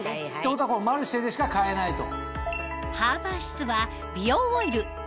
ってことは『マルシェ』でしか買えないと。